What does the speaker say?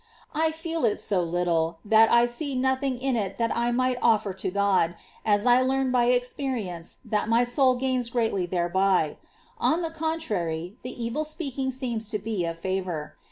I feel it so little, that I see nothing in it that I might offer to God, as I learn by experience that my soul gains greatly thereby ; on the contrary, the evil speaking seems to be a favour.